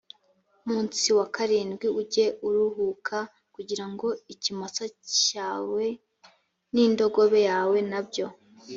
munsi wa karindwi ujye uruhuka kugira ngo ikimasa cyawe n’ indogobe yawe na byo